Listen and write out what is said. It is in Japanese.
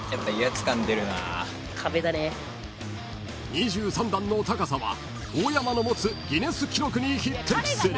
［２３段の高さは大山の持つギネス記録に匹敵する］